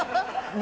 何？